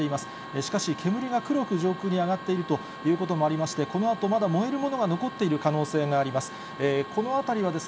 しかし、煙が黒く上空に上がっているということもありまして、このあと、まだ燃えるものが残っている可能性があります。